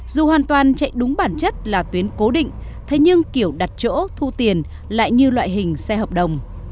dù hoàn toàn chạy đúng bản chất là tuyến cố định thế nhưng kiểu đặt chỗ thu tiền lại như loại hình xe hợp đồng